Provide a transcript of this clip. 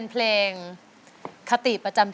ปลอดภัย